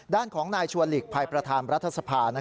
ด้านของนายชัวร์หลีกภัยประธานรัฐสภา